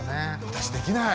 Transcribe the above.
私できない。